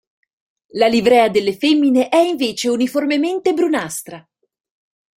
La livrea delle femmine è invece uniformemente brunastra.